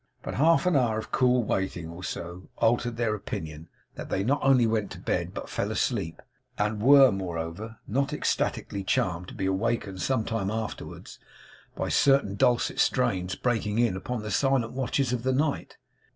But half an hour of cool waiting so altered their opinion that they not only went to bed, but fell asleep; and were, moreover, not ecstatically charmed to be awakened some time afterwards by certain dulcet strains breaking in upon the silent watches of the night.